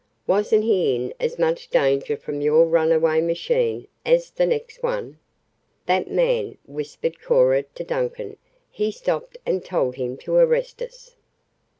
Wasn't he in as much danger from your runaway machine as the next one?" "That man!" whispered Cora to Duncan. "He stopped and told him to arrest us."